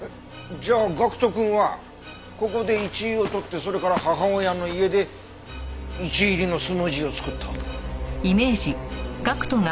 じゃあ岳人くんはここでイチイを採ってそれから母親の家でイチイ入りのスムージーを作った。